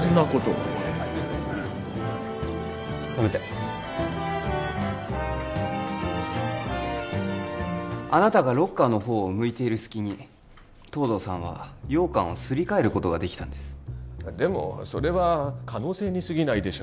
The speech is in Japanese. こんなことが止めてあなたがロッカーの方を向いている隙に藤堂さんは羊羹をすり替えることができたんですでもそれは可能性にすぎないでしょ